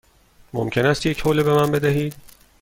ممکن است یک حوله به من بدهید؟